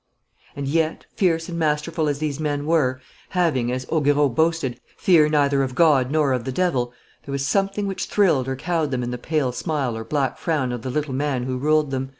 And yet, fierce and masterful as these men were, having, as Auguereau boasted, fear neither of God nor of the devil, there was something which thrilled or cowed them in the pale smile or black frown of the little man who ruled them.